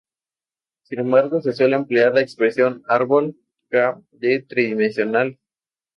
Sin embargo se suele emplear la expresión "árbol "k"d tridimensional".